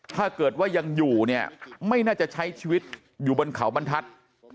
ถ้าเกิดว่ายังอยู่เนี่ยไม่น่าจะใช้ชีวิตอยู่บนเขาบรรทัศน์